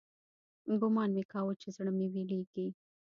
ګومان مې كاوه چې زړه مې ويلېږي.